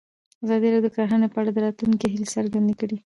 ازادي راډیو د کرهنه په اړه د راتلونکي هیلې څرګندې کړې.